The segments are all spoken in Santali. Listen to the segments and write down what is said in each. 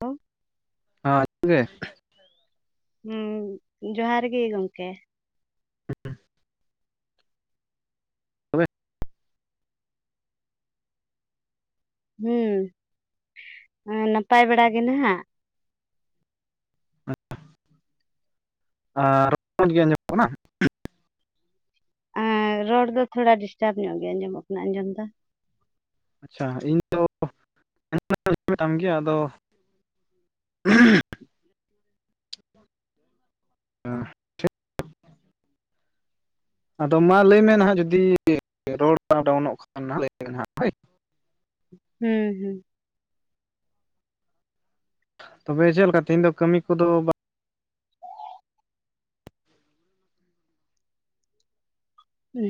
ᱦᱮᱞᱳ ᱾ [unintelligible] ᱦᱮᱸ ᱡᱚᱦᱟᱨ ᱜᱮ ᱜᱚᱝᱠᱮ ᱾ ᱦᱚᱵᱮ [unintelligible] ᱦᱩᱸ ᱱᱟᱯᱟᱭ ᱵᱟᱲᱟ ᱜᱮ ᱱᱟᱦᱟᱜ ᱾ ᱟᱨ ᱢᱚᱡᱽ ᱜᱮ ᱟᱸᱡᱚᱢᱚᱜ ᱠᱟᱱᱟ ᱾ ᱮ ᱨᱚᱲ ᱫᱚ ᱛᱷᱚᱲᱟ ᱰᱤᱥᱴᱟᱵᱽ ᱧᱚᱜ ᱜᱮ ᱟᱸᱡᱚᱢᱚᱜ ᱠᱟᱱᱟ ᱟᱸᱡᱚᱢ ᱫᱚ ᱟᱪᱪᱷᱟ ᱤᱧ ᱫᱚ ᱡᱟᱦᱟᱱᱟᱜ [inaudible] ᱤᱧ ᱢᱮᱛᱟᱢ ᱜᱮ ᱟᱫᱚ ᱟᱫᱚ ᱢᱟ ᱞᱟᱹᱭᱢᱮ ᱱᱟᱦᱟᱜ ᱡᱩᱫᱤ ᱨᱚᱲ ᱠᱚ ᱟᱯ ᱰᱟᱣᱩᱱᱚᱜ ᱠᱷᱟᱱ ᱞᱟᱹᱭ ᱢᱮ ᱦᱟᱸᱜ ᱦᱳᱭ [unintelligible] ᱦᱮᱸ ᱦᱮᱸ ᱛᱚᱵᱮ ᱪᱮᱫ ᱞᱮᱠᱟ ᱛᱮᱦᱮᱧ ᱫᱚ ᱠᱟᱹᱢᱤ ᱠᱚᱫᱚ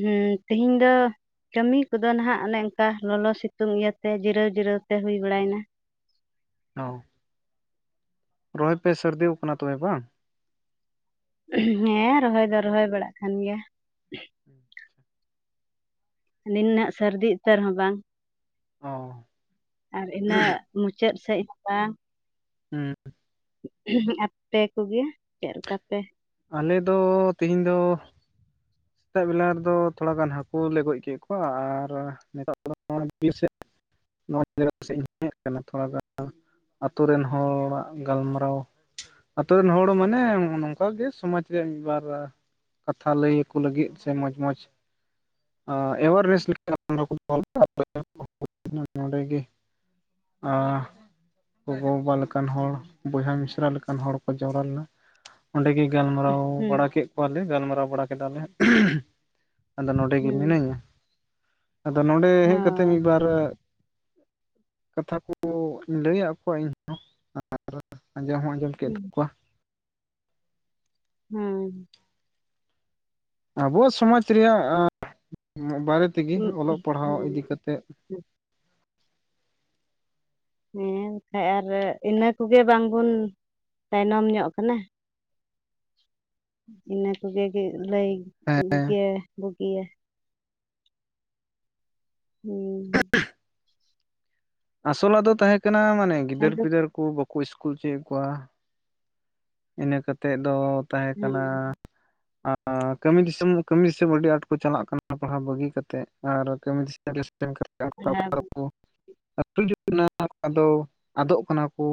ᱦᱮᱸ ᱛᱤᱦᱤᱧ ᱫᱚ ᱠᱟᱹᱢᱤ ᱠᱚᱫᱚ ᱱᱟᱦᱟᱜ ᱚᱱᱮ ᱚᱱᱠᱟ ᱞᱚᱞᱚ ᱥᱤᱛᱩᱝ ᱤᱭᱟᱹᱛᱮ ᱡᱤᱨᱟᱹᱣ ᱡᱤᱨᱟᱹᱣ ᱛᱮ ᱦᱩᱭ ᱵᱟᱲᱟᱭᱱᱟ ᱾ ᱚᱣ ᱾ ᱨᱚᱦᱚᱭ ᱯᱮ ᱥᱟᱹᱨᱫᱤ ᱟᱠᱟᱱᱟ ᱛᱚᱵᱮ ᱵᱟᱝ ᱾ ᱦᱮᱸ ᱨᱚᱦᱚᱭ ᱫᱚ ᱨᱚᱦᱚᱭ ᱵᱟᱲᱟᱜ ᱠᱟᱱ ᱜᱮᱭᱟ ᱾ ᱦᱩᱸ ᱟᱪᱷᱟ [unintelligible] ᱱᱤᱱᱟᱹᱜ ᱥᱟᱹᱨᱫᱤ ᱩᱛᱟᱹᱨ ᱦᱚᱸ ᱵᱟᱝ ᱚ ᱟᱨ ᱤᱱᱟᱹᱜ ᱢᱩᱪᱟᱹᱫ ᱥᱮᱡ ᱦᱚᱸ ᱵᱟᱝ ᱦᱮᱸ [unintelligible] ᱟᱯᱮ ᱠᱚᱜᱮ ᱪᱮᱫ ᱞᱮᱠᱟ ᱯᱮ ᱟᱞᱮ ᱫᱚ ᱛᱤᱦᱤᱧ ᱫᱚ [unintelligible] ᱥᱮᱛᱟᱜ ᱵᱮᱞᱟ ᱨᱮᱫᱚ ᱛᱷᱚᱲᱟ ᱜᱟᱱ ᱦᱟᱹᱠᱩ ᱞᱮ ᱜᱚᱡ ᱠᱮᱫ ᱠᱚᱣᱟ ᱟᱨ ᱱᱤᱛᱟᱨ ᱫᱚ ᱵᱤᱨ ᱥᱮᱫ ᱱᱚᱣᱟ [inaudible] ᱥᱮᱫ ᱤᱧ ᱦᱮᱡ ᱟᱠᱟᱱᱟ ᱛᱷᱚᱲᱟ ᱜᱟᱱ ᱟᱛᱳ ᱨᱮᱱ ᱦᱚᱲᱟᱜ ᱜᱟᱞᱢᱟᱨᱟᱣ ᱟᱛᱳ ᱨᱮᱱ ᱦᱚᱲ ᱢᱟᱱᱮ ᱱᱚᱝᱠᱟᱜ ᱜᱮ ᱥᱚᱢᱟᱡ ᱨᱮᱭᱟᱜ ᱢᱤᱫᱵᱟᱨ ᱠᱟᱛᱷᱟ ᱞᱟᱹᱭ ᱟᱠᱚ ᱞᱟᱹᱜᱤᱫ ᱥᱮ ᱢᱚᱡᱽ ᱢᱚᱡᱽ ᱮᱵᱟᱨᱱᱮᱥ [inaudible] ᱱᱚᱰᱮ ᱜᱮ ᱟᱨ ᱜᱚᱜᱚ ᱵᱟᱵᱟ ᱞᱮᱠᱟᱱ ᱦᱚᱲ ᱵᱚᱭᱦᱟ ᱢᱤᱥᱨᱟ ᱞᱮᱠᱟᱱ ᱦᱚᱲ ᱠᱚ ᱡᱟᱣᱨᱟ ᱞᱮᱱᱟ ᱚᱸᱰᱮᱜᱮ ᱜᱟᱞᱢᱟᱨᱟᱣ ᱵᱟᱲᱟ ᱦᱩᱸ ᱠᱮᱜ ᱠᱚᱣᱟᱞᱮ ᱜᱟᱞᱢᱟᱨᱟᱣ ᱵᱟᱲᱟ ᱠᱮᱫᱟᱞᱮ ᱟᱫᱚ ᱱᱚᱸᱰᱮ ᱜᱮ ᱦᱩᱸ ᱢᱤᱱᱟᱹᱧᱟ ᱟᱫᱚ ᱱᱚᱸᱰᱮ ᱦᱮᱡ ᱠᱟᱛᱮ ᱢᱤᱫ ᱦᱚᱸ ᱵᱟᱨ ᱠᱟᱛᱷᱟ ᱠᱚ ᱞᱟᱹᱭᱟᱜ ᱠᱚᱣᱟ ᱤᱧᱦᱚᱸ ᱟᱨ ᱟᱸᱡᱚᱢ ᱦᱚᱸᱧ ᱟᱸᱡᱚᱢ ᱠᱮᱫ ᱠᱚᱣᱟ [unintelligible] ᱦᱮᱸ ᱟᱵᱚᱣᱟᱜ ᱥᱚᱢᱟᱡᱽ ᱨᱮᱭᱟᱜ ᱵᱟᱨᱮ ᱛᱮᱜᱮ ᱚᱞᱚᱜ ᱯᱟᱲᱦᱟᱣ ᱤᱫᱤ ᱦᱮᱸ ᱠᱟᱛᱮᱫ ᱾ ᱦᱮᱸ ᱵᱟᱠᱷᱟᱡ ᱟᱨ ᱤᱱᱟᱹ ᱠᱚᱜᱮ ᱵᱟᱝᱵᱚᱱ ᱛᱟᱭᱱᱚᱢ ᱧᱚᱜ ᱠᱟᱱᱟ ᱤᱱᱟᱹ ᱠᱚᱜᱮ [inaudible] ᱞᱟᱹᱭ ᱦᱮᱸ ᱜᱮ ᱤᱭᱟᱹ ᱦᱩᱸ [inaudible] ᱟᱥᱚᱞᱟᱜ ᱫᱚ ᱛᱟᱦᱮᱸ ᱠᱟᱱᱟ ᱢᱟᱱᱮ ᱜᱤᱫᱟᱹᱨ ᱟᱫᱚ ᱯᱤᱫᱟᱹᱨ ᱠᱚ ᱵᱟᱠᱚ ᱥᱠᱩᱞ ᱚᱪᱚᱭᱮᱫ ᱠᱚᱣᱟ᱾ ᱤᱱᱟᱹ ᱠᱟᱛᱮᱫ ᱫᱚ ᱛᱟᱦᱮᱸ ᱦᱮᱸ ᱠᱟᱱᱟ ᱟᱨ ᱟᱨ ᱠᱟᱹᱢᱤ ᱫᱤᱥᱚᱢ ᱠᱟᱹᱢᱤ ᱫᱤᱥᱚᱢ ᱟᱹᱰᱤ ᱟᱸᱴ ᱠᱚ ᱪᱟᱞᱟᱜ ᱠᱟᱱᱟ ᱯᱟᱲᱦᱟᱣ ᱵᱟᱹᱜᱤ ᱠᱟᱛᱮᱫ ᱟᱨ ᱠᱟᱹᱢᱤ ᱫᱤᱥᱚᱢ [unintelligible] [unintelligible] ᱟᱫᱚ ᱟᱫᱚᱜ ᱠᱟᱱᱟ ᱠᱚ᱾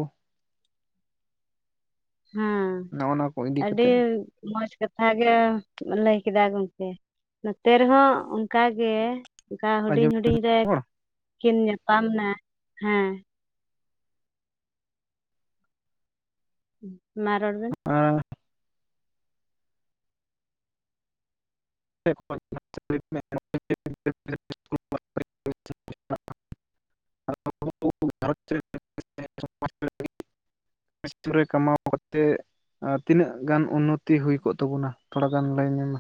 ᱦᱮᱸ ᱱᱚᱜᱼᱚ ᱱᱟ ᱠᱚ ᱤᱫᱤ ᱟᱹᱰᱤ ᱠᱟᱛᱮᱫ ᱢᱚᱸᱡᱽ ᱠᱟᱛᱷᱟ ᱜᱮ ᱞᱟᱹᱭ ᱠᱮᱫᱟ ᱜᱚᱝᱠᱮ᱾ ᱱᱚᱛᱮ ᱨᱮᱦᱚᱸ ᱚᱱᱠᱟ ᱜᱮ᱾ ᱚᱱᱠᱟ ᱦᱩᱰᱤᱧ ᱟᱸᱡᱚᱢ ᱦᱩᱰᱤᱧ ᱨᱮ ᱦᱚᱲ ᱠᱤᱱ ᱧᱟᱯᱟᱢ ᱱᱟ ᱦᱮᱸ ᱢᱟ ᱨᱚᱲ ᱵᱮᱱ᱾ ᱟᱨ [unintelligible] [unintelligible] [inaudible] [unintelligible] ᱠᱟᱢᱟᱣ ᱠᱟᱛᱮ ᱟᱨ ᱛᱤᱱᱟᱹᱜ ᱜᱟᱱ ᱩᱱᱱᱚᱛᱤ ᱦᱩᱭ ᱠᱚᱜ ᱛᱟᱵᱚᱱᱟ ᱛᱷᱚᱲᱟ ᱜᱟᱱ ᱞᱟᱹᱭ ᱢᱮ ᱢᱟ᱾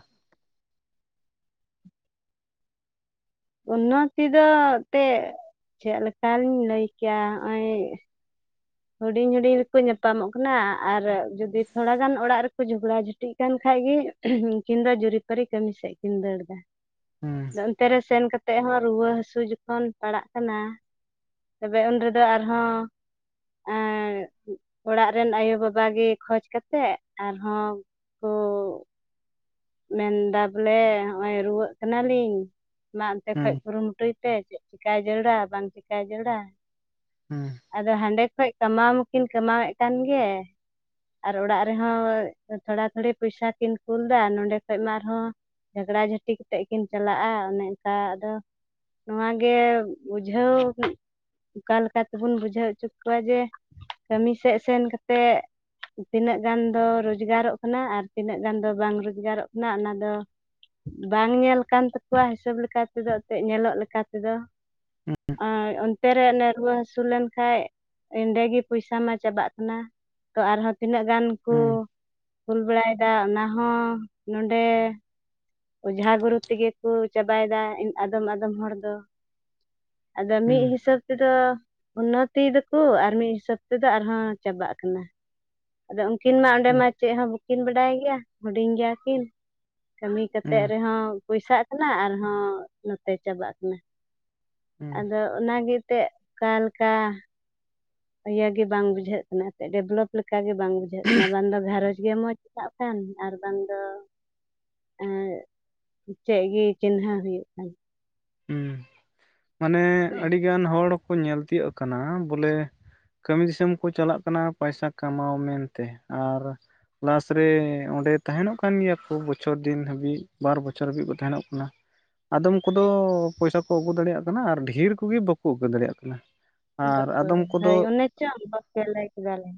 ᱩᱱᱚᱛᱤ ᱫᱚ ᱛᱮ ᱪᱮᱫ ᱞᱮᱠᱟ ᱞᱤᱧ ᱞᱟᱹᱭ ᱠᱮᱭᱟ ᱦᱚᱸᱜᱼᱚᱭ ᱦᱩᱰᱤᱧ ᱦᱩᱰᱤᱧ ᱨᱮᱠᱚ ᱧᱟᱯᱟᱢᱚᱜ ᱠᱟᱱᱟ ᱟᱨ ᱡᱩᱫᱤ ᱛᱷᱚᱲᱟ ᱜᱟᱱ ᱚᱲᱟᱜ ᱨᱮᱠᱚ ᱡᱷᱚᱜᱽᱲᱟ ᱡᱷᱟ ᱠᱟᱹᱴᱤᱜ ᱠᱟᱱ ᱠᱷᱟᱡ ᱜᱮ ᱩᱱᱠᱤᱱ ᱫᱚ ᱡᱩᱨᱤᱯᱟᱨᱤ ᱠᱟᱹᱢᱤ ᱥᱮᱫ ᱠᱤᱱ ᱫᱟᱹᱲ ᱮᱫᱟ᱾ ᱦᱩᱸ ᱟᱱᱛᱮ ᱨᱮ ᱥᱮᱱ ᱠᱟᱛᱮᱫ ᱦᱚᱸ ᱨᱩᱣᱟᱹ ᱦᱟᱹᱥᱩ ᱡᱚᱠᱷᱚᱱ ᱯᱟᱲᱟᱜ ᱠᱟᱱᱟ᱾ ᱛᱚᱵᱮ ᱩᱱ ᱨᱮᱫᱚ ᱟᱨᱦᱚᱸ ᱮᱸᱻ ᱚᱲᱟᱜ ᱨᱮᱱ ᱟᱭᱳ ᱵᱟᱵᱟ ᱜᱮ ᱠᱷᱡᱽ ᱠᱟᱛᱮᱜ ᱟᱨᱦᱚᱸ ᱠᱩ ᱢᱮᱱᱫᱟ ᱵᱚᱞᱮ ᱱᱚᱜᱼᱚᱭ ᱨᱩᱣᱟᱹᱜ ᱠᱟᱱᱟᱞᱤᱧ᱾ ᱢᱟ ᱚᱱᱛᱮ ᱠᱷᱚᱡ ᱦᱩᱸ ᱠᱩᱨᱩᱢᱩᱴᱩᱭ ᱯᱮ ᱪᱮᱫ ᱪᱤᱠᱟᱭ ᱫᱟᱹᱲᱟ ᱵᱟᱝ ᱪᱤᱠᱟᱹᱭ ᱫᱟᱹᱲᱟ᱾ ᱟᱫᱚ ᱦᱟᱸᱰᱮ ᱠᱷᱚᱡ ᱠᱟᱢᱟᱣ ᱢᱟᱠᱤᱱ ᱠᱟᱢᱟᱣᱮᱫ ᱠᱟᱱ ᱜᱮ᱾ ᱟᱨ ᱚᱲᱟᱜ ᱨᱮᱦᱚᱸ ᱛᱷᱚᱲᱟ ᱛᱷᱚᱲᱤ ᱯᱚᱭᱥᱟ ᱠᱤᱱ ᱠᱩᱞ ᱫᱟ ᱱᱚᱰᱮ ᱠᱷᱚᱱᱚᱡ ᱢᱟ ᱟᱨᱦᱚᱸ ᱡᱷᱟᱜᱽᱲᱟ ᱡᱷᱟᱹᱴᱤ ᱠᱟᱛᱮᱜ ᱠᱤᱱ ᱪᱟᱞᱟᱜᱼᱟ ᱚᱱᱮ ᱚᱱᱠᱟ ᱟᱫᱚ ᱱᱚᱣᱟ ᱜᱮ ᱵᱩᱡᱷᱟᱹᱣ ᱚᱠᱟ ᱞᱮᱠᱟ ᱛᱮᱵᱚᱱ ᱵᱩᱡᱷᱟᱹᱣ ᱦᱚᱪᱚ ᱠᱚᱣᱟ ᱡᱮ ᱠᱟᱹᱢᱤ ᱥᱮᱫ ᱥᱮᱱ ᱠᱟᱛᱮᱫ ᱛᱤᱱᱟᱹᱜ ᱜᱟᱱ ᱫᱚ ᱨᱡᱽᱜᱟᱨᱚᱜ ᱠᱟᱱᱟ ᱟᱨ ᱛᱤᱱᱟᱹᱜ ᱜᱟᱱ ᱫᱚ ᱵᱟᱝ ᱨᱚᱡᱽᱜᱟᱨᱚᱜ ᱠᱟᱱᱟ ᱚᱱᱟᱫᱚ ᱵᱟᱝ ᱧᱮᱞ ᱠᱟᱱ ᱛᱟᱠᱚᱣᱟ ᱦᱤᱥᱟᱹᱵᱽ ᱞᱮᱠᱟᱛᱮᱫᱚ ᱮᱱᱛᱮᱫ ᱧᱮᱞᱚᱜ ᱞᱮᱠᱟᱛᱮᱫᱚ᱾ ᱩᱸ ᱩᱸᱦ᱾ ᱟᱨ ᱚᱱᱛᱮ ᱨᱮ ᱚᱱᱮ ᱨᱩᱣᱟᱹ ᱦᱟᱥᱩ ᱞᱮᱱᱠᱷᱟᱡ ᱮᱸᱰᱮᱜᱤ ᱯᱚᱭᱥᱟ ᱢᱟ ᱪᱟᱵᱟᱜ ᱠᱟᱱᱟ᱾ ᱛᱚ ᱟᱨᱦᱚᱸ ᱛᱤᱱᱟᱹᱜ ᱜᱟᱱ ᱠᱚ ᱟᱮᱸᱭ ᱠᱩᱞ ᱵᱟᱲᱟᱭᱮᱫᱟ ᱚᱱᱟ ᱦᱚᱸ ᱱᱚᱰᱮ ᱚᱡᱷᱟ ᱜᱩᱨᱩ ᱛᱮᱜᱮ ᱠᱚ ᱪᱟᱵᱟᱭᱮᱫᱟ ᱟᱫᱚᱢ ᱟᱫᱚᱢ ᱦᱚᱲ ᱫᱚ᱾ ᱟᱫᱚ ᱢᱤᱫ ᱦᱩᱸ ᱦᱤᱥᱟᱹᱵᱽ ᱛᱮᱫᱚ ᱩᱱᱱᱚᱛᱤᱭ ᱫᱟᱠᱚ ᱟᱨ ᱢᱤᱫ ᱦᱤᱥᱟᱹᱵ ᱛᱮᱫᱚ ᱟᱨᱦᱚᱸ ᱪᱟᱵᱟᱜ ᱠᱟᱱᱟ᱾ ᱟᱫᱚ ᱩᱱᱠᱤᱱ ᱢᱟ ᱚᱸᱰᱮ ᱦᱩᱸ ᱢᱟ ᱪᱮᱫ ᱦᱚᱸ ᱵᱟᱠᱤᱱ ᱵᱟᱰᱟᱭ ᱜᱮᱭᱟ ᱦᱩᱰᱤᱧ ᱜᱮᱭᱟᱠᱤᱱ ᱠᱟᱹᱢᱤ ᱠᱟᱱᱟ᱾ ᱮᱸᱦᱱᱛᱮᱫ ᱦᱩᱸ ᱦᱩᱸ ᱨᱮᱦᱚᱸ ᱯᱚᱭᱥᱟᱜ ᱠᱟᱱᱟ ᱟᱨᱦᱚᱸ ᱱᱚᱛᱮ ᱪᱟᱵᱟᱜ ᱠᱟᱱᱟ᱾ ᱦᱩᱸ ᱟᱫᱚ ᱚᱱᱟᱜᱮ ᱮᱱᱛᱮᱫ ᱚᱠᱟᱞᱮᱠᱟ ᱤᱭᱟ ᱜᱮ ᱵᱟᱝ ᱵᱩᱡᱷᱟᱹᱜ ᱠᱟᱱᱟ ᱮᱱᱛᱮᱫ ᱰᱮᱵᱷᱞᱚᱯ ᱞᱮᱠᱟ ᱜᱮ ᱵᱟᱝ ᱵᱩᱡᱷᱟᱹᱜ ᱠᱟᱱᱟ ᱵᱟᱝ ᱫᱚ ᱜᱸᱚᱡᱽ ᱜᱮ ᱢᱚᱡᱽ ᱥᱟᱵ ᱠᱟᱱ ᱟᱨ ᱵᱟᱝ ᱫᱚ ᱮᱸ ᱪᱮᱫ ᱜᱮ ᱪᱤᱱᱦᱟᱹ ᱦᱩᱭᱩᱜ ᱠᱟᱱ ᱦᱩᱸ ᱢᱟᱱᱮ ᱟᱹᱰᱤᱜᱟᱱ ᱦᱚᱲ ᱠᱚ ᱧᱮᱞ ᱛᱤᱭᱳᱜ ᱠᱟᱱᱟ ᱵᱚᱞᱮ ᱠᱟᱹᱢᱤ ᱫᱤᱥᱚᱢ ᱠᱚ ᱪᱟᱞᱟᱜ ᱠᱟᱱᱟ ᱯᱚᱭᱥᱟ ᱠᱟᱢᱟᱣ ᱢᱮᱱ ᱛᱮ ᱟᱨ ᱞᱟᱥ ᱨᱮ ᱚᱸᱰᱮ ᱛᱟᱦᱮᱱᱚᱜ ᱠᱟᱱ ᱜᱮᱭᱟ ᱠᱚ ᱵᱚᱪᱷᱚᱨ ᱫᱤᱱ ᱦᱟᱹᱵᱤᱡ ᱵᱟᱨ ᱵᱚᱪᱷᱚᱨ ᱦᱟᱹᱵᱤᱡ ᱠᱚ ᱛᱟᱦᱮᱱᱚᱜ ᱠᱟᱱᱟ᱾ ᱟᱫᱚᱢ ᱠᱚᱫᱚ ᱯᱚᱭᱥᱟ ᱠᱚ ᱟᱹᱜᱩ ᱫᱟᱲᱮᱭᱟᱜ ᱠᱟᱱᱟ ᱟᱨ ᱰᱷᱮᱨ ᱠᱚᱜᱮ ᱵᱟᱠᱚ ᱟᱹᱜᱩ ᱫᱟᱲᱮᱭᱟᱜ ᱠᱟᱱᱟ᱾ ᱟᱨ ᱟᱫᱚᱢ ᱠᱚᱫᱚ ᱦᱳᱭ ᱚᱱᱮ ᱪᱚᱝ ᱵᱟᱯᱮ ᱞᱟᱹᱭ ᱠᱮᱫᱟᱞᱮ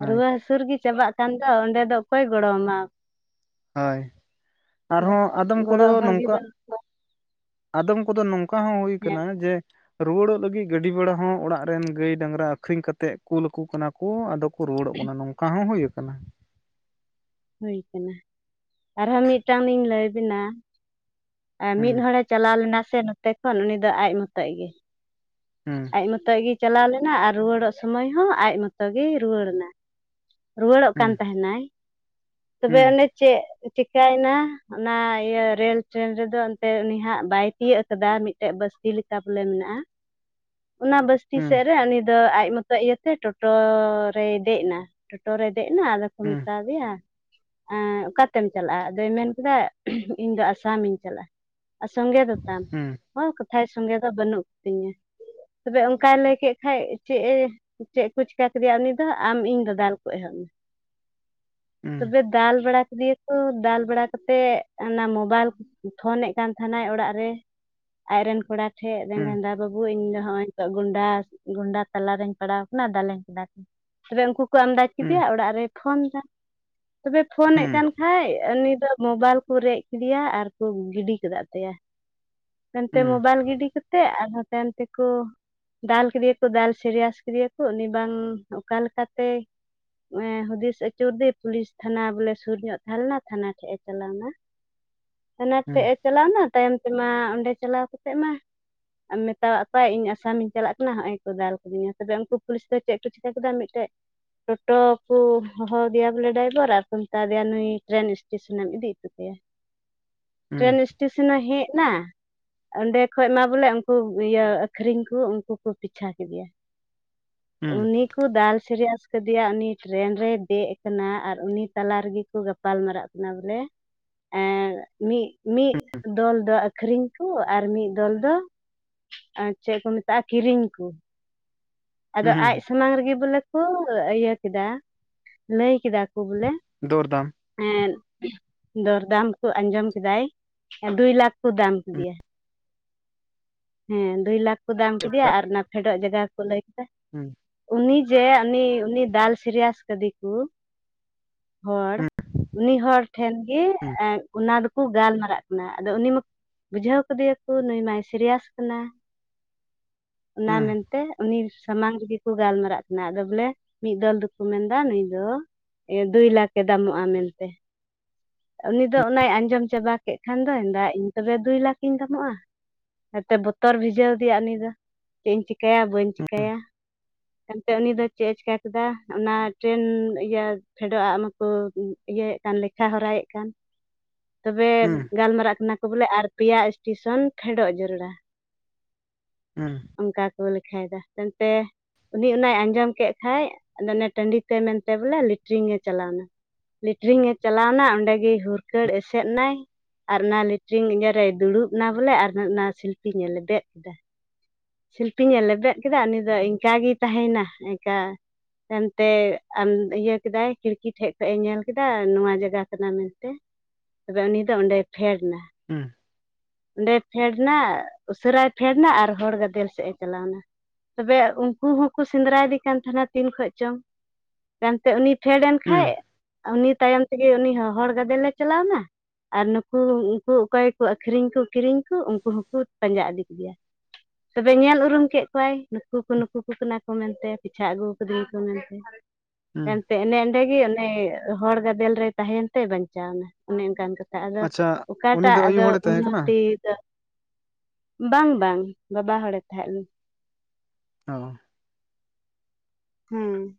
ᱦᱳᱭ ᱨᱩᱣᱟᱹ ᱦᱟᱹᱥᱩᱨ ᱜᱮ ᱪᱟᱵᱟᱜ ᱠᱟᱱ ᱫᱚ ᱚᱸᱰᱮ ᱫᱚ ᱚᱠᱚᱭ ᱜᱚᱲᱚ ᱟᱢᱟ᱾ ᱦᱳᱭ ᱟᱨᱦᱚᱸ ᱟᱫᱚᱢ ᱠᱚᱫᱚ ᱜᱚᱲᱚᱜ ᱦᱚᱲ ᱜᱮ ᱱᱚᱝᱠᱟ ᱵᱟᱹᱱᱩᱜ ᱠᱚᱣᱟ ᱟᱫᱚᱢ ᱠᱚᱫᱚ ᱱᱚᱝᱠᱟ ᱦᱚᱸ ᱦᱩᱭ ᱠᱟᱱᱟ ᱦᱮᱡ ᱡᱮ ᱨᱩᱣᱟᱹᱲᱚᱜ ᱞᱟᱹᱜᱤᱫ ᱜᱟᱹᱰᱤ ᱵᱮᱲᱟ ᱦᱚᱸ ᱚᱲᱟᱜ ᱨᱮᱱ ᱜᱟᱹᱭ ᱰᱟᱝᱨᱟ ᱟᱠᱷᱨᱤᱧ ᱠᱟᱛᱮᱫ ᱠᱩᱞᱠᱚ ᱠᱟᱱᱟ ᱠᱚ ᱟᱫᱚ ᱠᱚ ᱨᱩᱣᱟᱹᱲᱚᱜ ᱠᱟᱱᱟ ᱱᱚᱝᱠᱟ ᱚᱝᱠᱟ ᱦᱚᱸ ᱦᱩᱭ ᱟᱠᱟᱱᱟ ᱦᱩᱭ ᱠᱟᱱᱟ ᱟᱨᱦᱚᱸ ᱢᱤᱫᱴᱟᱝ ᱤᱧ ᱞᱟᱹᱭᱵᱤᱱᱟ ᱟᱨ ᱦᱩᱸ ᱢᱤᱫ ᱦᱚᱲᱮ ᱪᱟᱞᱟᱣ ᱞᱮᱱᱟ ᱥᱮ ᱱᱚᱛᱮ ᱠᱷᱚᱱ ᱩᱱᱤ ᱫᱚ ᱟᱡ ᱢᱚᱛᱚᱡ ᱜᱮ ᱦᱩᱸ ᱟᱡ ᱢᱚᱛᱚᱡ ᱜᱮᱭ ᱪᱟᱞᱟᱣ ᱞᱮᱱᱟ ᱟᱨ ᱨᱩᱣᱟᱹᱲᱚᱜ ᱥᱚᱢᱚᱭ ᱦᱚᱸ ᱟᱡ ᱢᱚᱛᱚ ᱜᱮᱭ ᱨᱩᱣᱟᱹᱲᱱᱟ ᱨᱩᱣᱟᱹᱲᱚᱜ ᱠᱟᱱ ᱛᱟᱦᱮᱱᱟᱭ ᱛᱚᱵᱮ ᱚᱱᱮ ᱪᱮᱫ ᱪᱤᱠᱟᱹᱭᱮᱱᱟ ᱚᱱᱟ ᱤᱭᱟᱹ ᱨᱮᱞ ᱴᱨᱮᱱ ᱨᱮᱫᱚ ᱮᱱᱛᱮ ᱩᱱᱤ ᱦᱟᱸᱜ ᱵᱟᱭ ᱛᱤᱭᱳᱜ ᱠᱟᱫᱟ ᱢᱤᱫᱴᱮᱡ ᱵᱟᱥᱛᱤ ᱞᱮᱠᱟ ᱵᱚᱞᱮ ᱢᱮᱱᱟᱜ-ᱟ ᱚᱱᱟ ᱵᱟᱥᱛᱤ ᱥᱮᱫ ᱨᱮ ᱩᱱᱤ ᱟᱫᱚ ᱟᱡ ᱢᱚᱛᱚ ᱤᱭᱟᱹ ᱛᱮ ᱴᱳᱴᱳ ᱨᱮᱭ ᱫᱮᱡ ᱮᱱᱟ ᱴᱳᱴᱳ ᱨᱮᱭ ᱫᱮᱡ ᱮᱱᱟ ᱟᱫᱚ ᱠᱚ ᱢᱮᱛᱟ ᱫᱮᱭᱟ ᱮᱸᱻ ᱚᱠᱟᱛᱮᱢ ᱪᱟᱞᱟᱜ-ᱟ? ᱟᱫᱚᱭ ᱢᱮᱱ ᱠᱮᱫᱟ ᱤᱧ ᱫᱚ ᱟᱥᱟᱢᱤᱧ ᱪᱟᱞᱟᱜ-ᱟ। ᱟᱨ ᱥᱚᱸᱜᱮ ᱫᱚᱛᱟᱢ ᱦᱚᱸ ᱠᱟᱛᱷᱟᱭ ᱥᱚᱸᱜᱮ ᱫᱚ ᱵᱟᱹᱱᱩᱜ ᱛᱤᱧᱟᱹ। ᱛᱚᱵᱮ ᱚᱱᱠᱟᱭ ᱞᱟᱹᱭ ᱠᱮᱫ ᱠᱷᱟᱡ᱾ ᱪᱮᱜ ᱮ ᱪᱮᱫ ᱠᱚ ᱪᱤᱠᱟ ᱠᱮᱫᱮᱭᱟ ᱩᱱᱤ ᱫᱚ ᱟᱢ ᱤᱧ ᱫᱟ-ᱫᱟᱞ ᱠᱚ ᱮᱦᱚᱵ ᱮᱱᱟ। ᱛᱚᱵᱮ ᱫᱟᱞ ᱵᱟᱲᱟ ᱠᱮᱫᱮᱭᱟ ᱠᱚ ᱫᱟᱞ ᱵᱟᱲᱟ ᱠᱟᱛᱮᱜ ᱚᱱᱟ ᱢᱳᱵᱟᱭᱤᱞ ᱯᱷᱳᱱᱮᱫ ᱠᱟᱱ ᱛᱟᱦᱮᱱᱟᱭ ᱚᱲᱟᱜ ᱨᱮ। ᱟᱡ ᱨᱮᱱ ᱠᱚᱲᱟ ᱴᱷᱮᱡ ᱜᱟᱸᱫᱟ ᱵᱟᱵᱩ ᱤᱧ ᱱᱚᱜ-ᱚᱭ ᱦᱤᱛᱚᱜ ᱜᱚᱱᱰᱟ ᱜᱚᱱᱰᱟ ᱛᱟᱞᱟᱨᱮᱧ ᱯᱟᱲᱟᱣ ᱠᱟᱱᱟ ᱫᱟᱞᱮᱧ ᱠᱟᱱᱟ ᱠᱚ। ᱛᱚᱵᱮ ᱩᱱᱠᱩ ᱠᱚ ᱟᱢᱫᱟ ᱠᱮᱫᱮᱭᱟ ᱚᱲᱟᱜ ᱨᱮᱭ ᱯᱷᱳᱱ ᱮᱫᱟ ᱛᱚᱵᱮ ᱯᱷᱳᱱᱮᱫ ᱠᱟᱱ ᱦᱮᱸ ᱩᱱᱤ ᱫᱚ ᱢᱳᱵᱟᱭᱤᱞ ᱠᱚ ᱨᱮᱡ ᱠᱮᱫᱮᱭᱟ ᱟᱨ ᱠᱚ ᱜᱤᱰᱤ ᱠᱮᱫᱟᱜ ᱛᱟᱭᱟ। ᱮᱱᱛᱮ ᱛᱟᱭᱚᱢᱛᱮ ᱢᱳᱵᱟᱭᱤᱞ ᱜᱤᱰᱤ ᱠᱟᱛᱮᱫ ᱟᱨᱦᱚᱸ ᱛᱟᱭᱚᱢ ᱛᱮ ᱠᱚ ᱫᱟᱞ ᱠᱮᱫᱤᱭᱟᱠᱚ ᱫᱟᱞ ᱥᱤᱨᱤᱭᱟᱥ ᱠᱮᱫᱤᱭᱟᱠᱚ ᱩᱱᱤ ᱵᱟᱝ ᱚᱠᱟ ᱞᱮᱠᱟᱛᱮ ᱮ ᱦᱩᱫᱤᱥ ᱟᱹᱪᱩᱨ ᱟᱫᱮ ᱯᱩᱞᱤᱥ ᱛᱷᱟᱱᱟ ᱵᱚᱞᱮ ᱥᱩᱨ ᱧᱚᱜ ᱛᱟᱦᱮᱸ ᱞᱮᱱᱟ ᱛᱷᱟᱱᱟ ᱴᱷᱮᱡ ᱮ ᱪᱟᱞᱟᱣ ᱮᱱᱟ ᱚᱱᱟ ᱴᱷᱮᱡᱮ ᱪᱟᱞᱟᱣᱱᱟ ᱛᱟᱭᱚᱢ ᱛᱮᱢᱟ ᱚᱸᱰᱮ ᱪᱟᱞᱟᱣ ᱠᱟᱛᱮ ᱢᱟ ᱢᱮᱛᱟᱣᱟᱜ ᱠᱚᱣᱟᱭ ᱤᱧ ᱟᱥᱟᱢᱤᱧ ᱪᱟᱞᱟᱜ ᱠᱟᱱᱟ ᱦᱚᱸᱜ ᱚᱭ ᱠᱚ ᱫᱟᱞ ᱠᱟᱫᱤᱧᱟ᱾ ᱛᱚᱵᱮ ᱩᱱᱠᱩ ᱯᱩᱞᱤᱥ ᱫᱚ ᱪᱮᱫ ᱠᱚ ᱪᱤᱠᱟᱹ ᱠᱮᱫᱟ ᱢᱤᱫᱴᱮᱡ ᱴᱚᱴᱚ ᱠᱚ ᱦᱚᱦᱚᱣᱟᱫᱮᱭᱟ ᱵᱚᱞᱮ ᱰᱟᱭᱵᱷᱟᱨ ᱟᱨ ᱠᱚ ᱢᱮᱛᱟ ᱫᱮᱭᱟ ᱱᱩᱭ ᱴᱨᱮᱱ ᱮᱥᱴᱮᱥᱚᱱᱮᱢ ᱤᱫᱤ ᱦᱚᱴᱚ ᱠᱟᱭᱟ। ᱴᱨᱮᱱ ᱮᱥᱴᱮᱥᱚᱱ ᱦᱚᱸ ᱦᱮᱡ ᱮᱱᱟ᱾ ᱚᱸᱰᱮ ᱠᱷᱚᱡ ᱢᱟ ᱵᱚᱞᱮ ᱠᱚ ᱤᱭᱟᱹ ᱟᱹᱠᱷᱨᱤᱧ ᱠᱚ ᱩᱱᱠᱩ ᱠᱚ ᱯᱤᱪᱷᱟ ᱠᱮᱫᱮᱭᱟ᱾ ᱩᱱᱤ ᱠᱚ ᱫᱟᱞ ᱥᱤᱨᱤᱭᱟᱥ ᱟᱠᱟᱫᱮᱭᱟ ᱩᱱᱤ ᱴᱨᱮᱱ ᱨᱮᱭ ᱫᱮᱡ ᱟᱠᱟᱱᱟ ᱟᱨ ᱩᱱᱤ ᱛᱟᱞᱟ ᱨᱮᱜᱮ ᱠᱚ ᱜᱟᱯᱟᱞ ᱢᱟᱨᱟᱜ ᱠᱟᱱᱟ ᱱᱟ ᱵᱚᱞᱮ। ᱟᱨ ᱢᱤᱫ ᱢᱤᱫ ᱫᱚᱞ ᱫᱚ ᱟᱠᱷᱨᱤᱧ ᱠᱚ᱾ ᱟᱨ ᱢᱤᱫ ᱫᱚᱞ ᱫᱚ ᱟᱨ ᱪᱮᱫ ᱠᱚ ᱢᱮᱛᱟᱜ-ᱟ ᱠᱤᱨᱤᱧ ᱠᱚ᱾ ᱟᱫᱚ ᱟᱡ ᱥᱟᱢᱟᱝ ᱨᱮᱜᱮ ᱵᱚᱞᱮ ᱠᱚ ᱤᱭᱟᱹ ᱠᱮᱫᱟ᱾ ᱞᱟᱹᱭ ᱠᱮᱫᱟ ᱠᱚ ᱵᱚᱞᱮ ᱫᱚᱨ ᱫᱟᱢ ᱦᱮᱸ ᱫᱚᱨᱫᱟᱢ ᱠᱚ ᱟᱸᱡᱚᱢ ᱠᱮᱫᱟᱭ᱾ ᱫᱩᱭ ᱞᱟᱠᱷ ᱠᱚ ᱫᱟᱢ ᱠᱮᱫᱮᱭᱟ। ᱦᱮᱸ ᱫᱩᱭ ᱞᱟᱠᱷ ᱠᱚ ᱫᱟᱢ ᱠᱮᱫᱮᱭᱟ᱾ ᱟᱨ ᱚᱱᱟ ᱯᱷᱮᱰᱚᱜ ᱡᱟᱭᱜᱟᱠᱚ ᱞᱟᱹᱭ ᱠᱮᱫᱟ। ᱦᱩ ᱩᱱᱤ ᱡᱮ ᱩᱱᱤ ᱩᱱᱤ ᱫᱟᱞ ᱥᱤᱨᱤᱭᱟᱥ ᱠᱟᱫᱮ ᱠᱚ ᱦᱚᱲ ᱩᱱᱤ ᱦᱚᱲ ᱴᱷᱮᱱ ᱜᱮ ᱮᱸ ᱚᱱᱟ ᱫᱚ ᱠᱚ ᱜᱟᱞᱢᱟᱨᱟᱜ ᱠᱟᱱᱟ ᱟᱫᱚ ᱩᱱᱤ ᱢᱟ ᱵᱩᱡᱷᱟᱹᱣ ᱠᱟᱫᱮᱭᱟᱠᱚ ᱱᱩᱭ ᱢᱟᱭ ᱥᱤᱨᱭᱟᱥ ᱠᱟᱱᱟ᱾ ᱚᱱᱟ ᱢᱮᱱ ᱛᱮ ᱛᱮ ᱩᱱᱤ ᱥᱟᱢᱟᱝ ᱨᱮᱜᱮ ᱠᱚ ᱜᱟᱞᱢᱟᱨᱟᱜ ᱠᱟᱱᱟ᱾ ᱟᱫᱚ ᱵᱚᱞᱮ ᱢᱤᱫ ᱫᱚᱞ ᱫᱚᱠᱚ ᱢᱮᱱᱫᱟ ᱱᱩᱭ ᱫᱚ ᱼᱼ ᱤᱭᱟ. ᱫᱩᱭ ᱞᱟᱠᱷ ᱮ ᱫᱟᱢᱚᱜ-ᱟ ᱢᱮᱱᱛᱮ। ᱩᱱᱤ ᱫᱚ ᱚᱱᱟᱭ ᱟᱸᱡᱚᱢ ᱪᱟᱵᱟ ᱠᱮᱫ ᱠᱷᱟᱱ ᱫᱚ ᱢᱮᱱᱫᱟ ᱤᱧ ᱛᱚᱵᱮ ᱫᱩᱭ ᱞᱟᱠᱷᱤᱧ ᱫᱟᱢᱚᱜ-ᱟ। ᱦᱳᱭᱛᱚ ᱵᱚᱛᱚᱨ ᱵᱷᱤᱡᱟᱹᱣ ᱟᱫᱮᱭᱟ ᱩᱱᱤ ᱫᱚ᱾ ᱪᱮᱫ ᱤᱧ ᱪᱤᱠᱟᱭᱟ ᱵᱟᱹᱧ ᱪᱤᱠᱟᱭᱟ। ᱮᱱᱛᱮ ᱩᱱᱤ ᱫᱚ ᱪᱮᱫ ᱮ ᱪᱤᱠᱟ ᱠᱮᱫᱟ? ᱚᱱᱟ ᱴᱨᱮᱱ ᱤᱭᱟᱹ ᱯᱷᱮᱰᱚᱜ ᱟᱜ ᱢᱟᱠᱚ ᱤᱭᱟᱹᱭᱮᱫ ᱠᱟᱱ ᱞᱮᱠᱷᱟ ᱦᱚᱨᱟᱭᱮᱫ ᱠᱟᱱ᱾ ᱛᱚᱵᱮ ᱜᱟᱞᱢᱟᱨᱟᱜ ᱠᱟᱱᱟ ᱠᱚ ᱵᱚᱞᱮ ᱟᱨ ᱯᱮᱭᱟ ᱮᱥᱴᱮᱥᱚᱱ ᱯᱷᱮᱰᱚᱜ ᱡᱟᱨᱩᱲᱟ ᱦᱩᱸ ᱚᱱᱠᱟ ᱠᱚ ᱞᱮᱠᱷᱟᱭᱮᱫᱟ ᱮᱱᱛᱮ ᱩᱱᱤ ᱚᱱᱟᱭ ᱟᱸᱡᱚᱢ ᱠᱮᱫ ᱠᱷᱟᱡ ᱟᱫᱚ ᱚᱱᱮ ᱴᱟᱺᱰᱤᱛᱮ ᱢᱮᱱᱛᱮ ᱵᱚᱞᱮ ᱞᱮᱴᱨᱤᱝ ᱮ ᱪᱟᱞᱟᱣ ᱮᱱᱟ। ᱞᱮᱴᱨᱤᱝᱮ ᱪᱟᱞᱟᱣᱱᱟ ᱚᱸᱰᱮᱜᱮ ᱦᱩᱨᱠᱟᱹᱲ ᱮᱥᱮᱫ ᱮᱱᱟᱭ। ᱟᱨ ᱚᱱᱟ ᱞᱮᱴᱨᱤᱝ ᱤᱭᱟᱹ ᱨᱮ ᱫᱩᱲᱩᱵ ᱮᱱᱟ ᱵᱚᱞᱮ ᱟᱨ ᱚᱱᱟ ᱥᱤᱞᱯᱤ ᱧᱮ ᱞᱮᱵᱮᱫ ᱮᱫᱟ। ᱥᱤᱞᱯᱤᱧ ᱮ ᱞᱮᱵᱮᱫ ᱠᱮᱫᱟ ᱩᱱᱤ ᱫᱚ ᱤᱱᱠᱟᱜᱮ ᱛᱟᱦᱮᱱᱟ। ᱤᱱᱠᱟ ᱼᱼ ᱮᱱᱛᱮ ᱟᱢ ᱤᱭᱟᱹ ᱠᱮᱫᱟᱭ ᱠᱷᱤᱲᱠᱤ ᱴᱷᱮᱡ ᱠᱷᱚᱡ ᱮ ᱧᱮᱞ ᱠᱮᱫᱟ ᱱᱚᱣᱟ ᱡᱟᱭᱜᱟ ᱠᱟᱱᱟ ᱢᱮᱱᱛᱮ। ᱛᱚᱵᱮ ᱩᱱᱤ ᱫᱚ ᱚᱸᱰᱮ ᱯᱷᱮᱰ ᱮᱱᱟ। ᱦᱮᱸ [inaudible] ᱚᱸᱰᱮ ᱯᱷᱮᱰ ᱮᱱᱟ ᱩᱥᱟᱹᱨᱟᱭ ᱯᱷᱮᱰ ᱮᱱᱟ ᱟᱨ ᱦᱚᱲ ᱜᱟᱫᱮᱞ ᱥᱮᱫ ᱮ ᱪᱟᱞᱟᱣ ᱮᱱᱟ। ᱛᱚᱵᱮ ᱩᱱᱠᱩ ᱦᱚᱸᱠᱚ ᱥᱮᱸᱫᱽᱨᱟᱭᱮᱫᱮ ᱠᱟᱱ ᱛᱟᱦᱮᱱᱟ ᱛᱤᱱ ᱠᱷᱚᱡ ᱪᱚᱝ᱾ ᱛᱟᱭᱚᱢᱛᱮ ᱩᱱᱤ ᱯᱷᱮᱰ ᱮᱱ ᱠᱷᱟᱡ ᱼᱼ ᱩᱱᱤ ᱛᱟᱭᱚᱢ ᱛᱮᱜᱮ ᱩᱱᱤ ᱦᱚᱸ ᱦᱚᱲ ᱜᱟᱫᱮᱞᱮ ᱪᱟᱞᱟᱣᱱᱟ᱾ ᱟᱨ ᱱᱩᱠᱩ ᱩᱱᱠᱩ ᱚᱠᱚᱭ ᱠᱚ ᱼᱼ ᱟᱠᱷᱨᱤᱧ [unintelligible] ᱟᱠᱷᱨᱤᱧ ᱠᱚ ᱠᱤᱨᱤᱧ ᱠᱚ ᱩᱱᱠᱩ ᱦᱚᱸᱠᱚ ᱯᱟᱸᱡᱟ ᱤᱫᱤ ᱠᱮᱭᱟ᱾ ᱛᱚᱵᱮ ᱧᱮᱞ ᱩᱨᱩᱢ ᱠᱮᱫ ᱠᱚᱣᱟᱭ ᱱᱩᱠᱩ ᱠᱚ ᱱᱩᱠᱩ ᱠᱚ ᱠᱟᱱᱟ ᱠᱚ ᱢᱮᱱᱛᱮ ᱯᱤᱪᱷᱟ ᱟᱹᱜᱩ ᱠᱟᱫᱤᱧᱟ ᱠᱚ ᱢᱮᱱᱛᱮ᱾ ᱮᱱᱛ ᱮᱱᱮ ᱮᱸᱰᱮᱜ ᱜᱮ ᱚᱱᱮ ᱦᱚᱲ ᱜᱟᱫᱮᱞ ᱨᱮᱭ ᱛᱟᱦᱮᱭᱮᱱ ᱛᱮ ᱵᱟᱧᱪᱟᱣ ᱮᱱᱟ᱾ ᱚᱱᱮ ᱚᱱᱠᱟᱱ ᱠᱟᱛᱷᱟ ᱟᱫᱚ ᱟᱪᱪᱷᱟ ᱩᱱᱤ ᱚᱠᱟᱴᱟᱜ ᱫᱚ ᱟᱭᱩ ᱟᱫᱚ ᱦᱚᱲᱮ ᱛᱟᱦᱮᱸ ᱠᱟᱱᱟ ᱚᱱᱟᱛᱮ [unintelligible] ᱵᱟᱝ ᱵᱟᱝ ᱵᱟᱵᱟ ᱦᱚᱲᱮ ᱛᱟᱦᱮᱸ ᱞᱮᱱᱟ᱾ ᱚ᱾ ᱦᱩᱸ᱾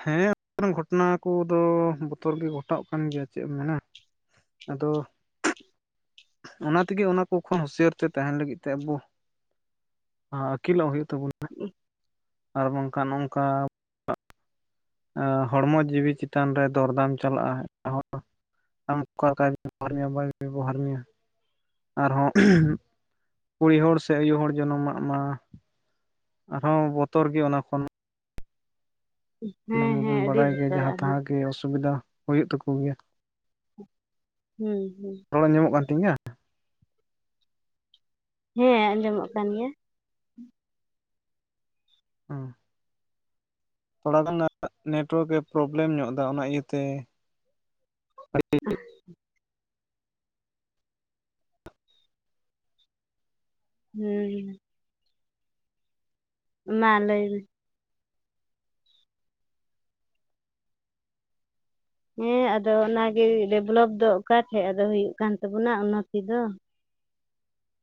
ᱦᱮᱸ ᱜᱷᱚᱴᱚᱱᱟ ᱠᱚᱫᱚ ᱵᱚᱛᱚᱨ ᱜᱮ ᱜᱷᱚᱴᱟᱜ ᱠᱟᱱ ᱜᱮᱭᱟ ᱪᱮᱫ ᱮᱢ ᱢᱮᱱᱟ᱾ ᱟᱫᱚ ᱚᱱᱟ ᱛᱮᱜᱮ ᱚᱱᱟ ᱠᱚ ᱠᱷᱚᱱ ᱦᱩᱥᱭᱟᱹᱨ ᱛᱮ ᱛᱟᱦᱮᱱ ᱞᱟᱹᱜᱤᱫ ᱛᱮ ᱟᱵᱚ ᱟᱹᱠᱤᱞᱚᱜ ᱦᱩᱭᱩᱜ ᱛᱚ [inaudible] ᱟᱨ ᱵᱟᱝᱠᱷᱟᱱ ᱚᱝᱠᱟ ᱼᱼ ᱮᱸᱻ ᱦᱚᱲᱢᱚ ᱡᱤᱣᱤ ᱪᱮᱛᱟᱱ ᱨᱮ ᱫᱚᱨᱫᱟᱢ ᱪᱟᱞᱟᱜᱼᱟ᱾ ᱮᱴᱟᱜ [inaudible] ᱦᱚᱲ ᱼᱼ ᱟᱢ ᱚᱠᱟ ᱞᱮᱠᱟ ᱵᱮᱵᱚᱷᱟᱨ ᱢᱮᱭᱟ ᱵᱟᱭ ᱵᱮᱦᱚᱷᱟᱨ ᱢᱮᱭᱟ᱾ ᱟᱨᱦᱚᱸ ᱠᱩᱲᱤ ᱦᱚᱲ ᱥᱮ ᱟᱭᱩ ᱦᱚᱲ ᱡᱚᱱᱚᱢ ᱢᱟ ᱚᱱᱟ ᱟᱨᱦᱚᱸ ᱵᱚᱛᱚᱨ ᱜᱮ ᱚᱱᱟ ᱠᱷᱚᱱ ᱦᱩᱸ᱾ ᱚᱱᱟ ᱢᱟᱵᱚᱱ ᱵᱟᱲᱟᱭ ᱜᱮᱭᱟ ᱡᱟᱦᱟᱸ ᱛᱟᱦᱟᱸ ᱜᱮ ᱚᱥᱩᱵᱤᱫᱷᱟ ᱦᱩᱭᱩᱜ ᱛᱟᱠᱚ ᱜᱮᱭᱟ ᱾ ᱦᱩᱸ ᱦᱩᱸ᱾ ᱨᱟᱲ ᱟᱡᱚᱢᱚᱜ ᱠᱟᱱ ᱛᱤᱧᱟ? ᱦᱮᱸ ᱟᱸᱡᱚᱢᱚᱜ ᱠᱟᱱ ᱜᱮᱭᱟ᱾ ᱚᱸ᱾ ᱛᱷᱚᱲᱟ ᱜᱟᱱ ᱱᱮᱴᱚᱣᱟᱨᱠ ᱮ ᱯᱨᱚᱵᱞᱮᱢ ᱧᱚᱜ ᱮᱫᱟ ᱚᱱᱟ ᱤᱭᱟᱹ ᱛᱮ [inaudible] ᱦᱩᱸ᱾ ᱢᱟ ᱞᱟᱹᱭ ᱢᱮ᱾ ᱦᱮᱸ ᱟᱫᱚ ᱚᱱᱟᱜᱮ ᱰᱮᱵᱞᱚᱯ ᱫᱚ ᱚᱠᱟ ᱴᱷᱮᱡ ᱟᱫᱚ ᱦᱩᱭᱩᱜ ᱠᱟᱱ ᱛᱟᱵᱚᱱᱟ ᱚᱱᱟ ᱛᱮ ᱫᱚ?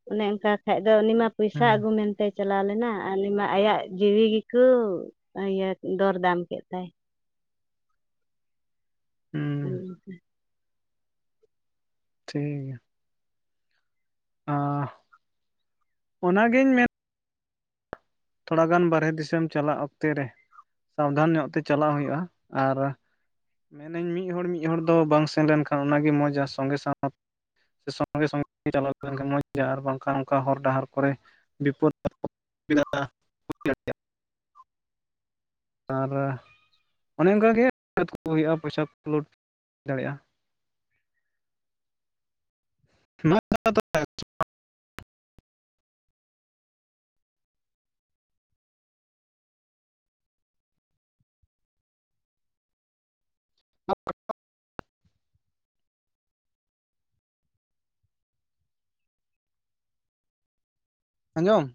ᱚᱱᱮ ᱚᱱᱠᱟ ᱠᱷᱟᱡ ᱫᱚ ᱩᱱᱤ ᱢᱟ ᱯᱚᱭᱥᱟ ᱟᱹᱜᱩ ᱦᱮᱸ ᱢᱮᱱᱛᱮ ᱪᱟᱞᱟᱣ ᱞᱮᱱᱟ ᱟᱨ ᱩᱱᱤ ᱢᱟ ᱟᱭᱟᱜ ᱡᱤᱣᱤ ᱜᱮᱠᱚ ᱤᱭᱟᱹ ᱫᱚᱨ ᱫᱟᱢ ᱠᱮᱫ ᱛᱟᱭ᱾ ᱦᱮᱸ [unintelligible] ᱴᱷᱤᱠ ᱜᱮᱭᱟ᱾ ᱟᱟ ᱚᱱᱟᱜᱤᱧ ᱢᱮᱱ ᱛᱷᱚᱲᱟ ᱜᱟᱱ ᱵᱟᱨᱦᱮ ᱫᱤᱥᱚᱢ ᱪᱟᱞᱟᱜ ᱚᱠᱛᱮ ᱨᱮ ᱥᱟᱵᱫᱷᱟᱱ ᱧᱚᱜ ᱛᱮ ᱪᱟᱞᱟᱜ ᱦᱩᱭᱩᱜᱼᱟ ᱟᱨ ᱢᱮᱱ ᱤᱧ ᱢᱤᱫ ᱦᱚᱲ ᱢᱤᱫ ᱦᱚᱲ ᱫᱚ ᱵᱟᱝ ᱥᱮᱱ ᱞᱮᱱᱠᱷᱟᱱ ᱚᱱᱟᱜᱮ ᱢᱚᱸᱡᱽᱟ ᱥᱚᱸᱜᱮ ᱥᱟᱶ ᱥᱮ ᱥᱟᱸᱜᱮ ᱥᱟᱸᱜᱮ ᱪᱟᱞᱟᱣ ᱦᱩᱭ ᱞᱮᱱᱠᱷᱟᱱ ᱢᱚᱡᱽ ᱜᱮᱭᱟ ᱟᱨ ᱵᱟᱝᱠᱷᱟᱱ ᱚᱱᱠᱟ ᱦᱚᱨ ᱰᱟᱦᱟᱨ ᱠᱚᱨᱮ ᱵᱤᱯᱚᱫ [unintelligible] ᱟᱨ ᱚᱱᱮ ᱚᱱᱠᱟᱜᱮ ᱵᱤᱯᱚᱫ ᱠᱚ ᱦᱩᱭᱩᱜᱼᱟ ᱯᱚᱭᱥᱟ ᱠᱚ ᱞᱩᱴ ᱫᱟᱲᱮᱭᱟᱜᱼᱟ ᱱᱚᱣᱟ ᱱᱟᱠᱷᱟ ᱫᱟ [unintelligible] [unintelligible] ᱟᱸᱡᱚᱢ